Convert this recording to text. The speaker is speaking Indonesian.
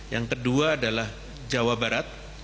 yang kedua adalah jawa barat